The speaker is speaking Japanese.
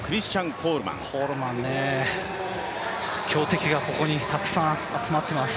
コールマンね、強敵がここにたくさん詰まっています。